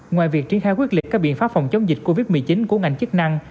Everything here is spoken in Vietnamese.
ngoài việc triển khai quyết liệt các biện pháp phòng chống dịch covid một mươi chín của ngành chức năng